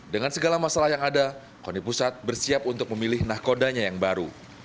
dengan segala masalah yang ada koni pusat bersiap untuk memilih nahkodanya yang baru